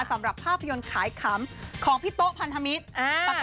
สำหรับภาพยนตร์ขายขำของพี่โต๊ะพันธมิตร